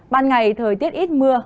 ban ngày thời tiết ít mưa